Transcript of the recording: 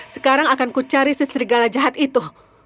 sekarang akan kucari si serigala jahat itu